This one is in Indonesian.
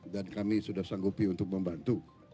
dan kami sudah sanggupi untuk membantu